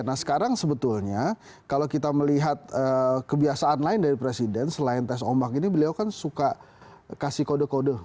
nah sekarang sebetulnya kalau kita melihat kebiasaan lain dari presiden selain tes ombak ini beliau kan suka kasih kode kode